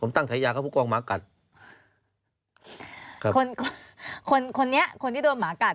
ตั้งฉายาเขาผู้กองหมากัดครับคนคนคนนี้คนที่โดนหมากัด